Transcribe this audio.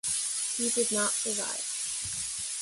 He did not survive.